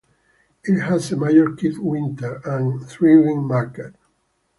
It has a mayor, Kirt Wynter, and a thriving market.